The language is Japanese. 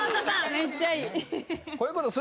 めっちゃいい。